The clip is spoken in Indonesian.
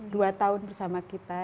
dua tahun bersama kita